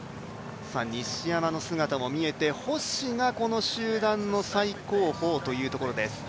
西山の姿も見えて星が、この集団の最後方というところです。